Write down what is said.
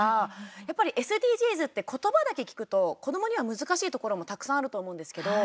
やっぱりＳＤＧｓって言葉だけ聞くと子どもには難しいところもたくさんあると思うんですけど。